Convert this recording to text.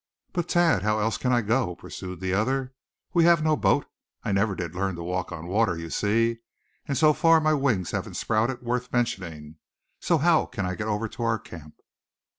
"But Thad, how else can I go?" pursued the other. "We have no boat; I never did learn to walk on the water, you see; and so far, my wings haven't sprouted worth mentioning; so how can I get over to our camp?"